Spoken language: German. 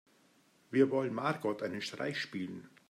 Wir wollen Margot einen Streich spielen.